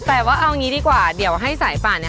แต่ว่าเอางี้ดีกว่าเดี๋ยวให้สายป่านเนี่ย